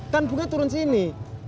kan bunga turun sini